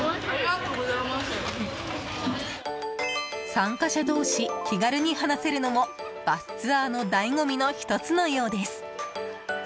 参加者同士、気軽に話せるのもバスツアーの醍醐味の１つのようです。